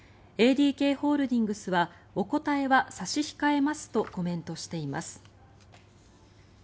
ＡＤＫホールディングスはお答えは差し控えますとコメントしています。